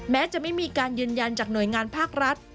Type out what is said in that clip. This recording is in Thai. แม้จะไม่มีการยืนยันจากหน่วยงานภาครัฐ